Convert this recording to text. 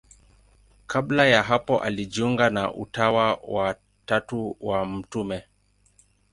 Kabla ya hapo alijiunga na Utawa wa Tatu wa Mt.